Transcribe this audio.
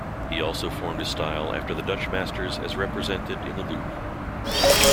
He also formed his style after the Dutch masters as represented in the Louvre.